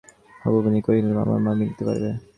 হারানবাবু কহিলেন, আপনার না মিলতে পারে।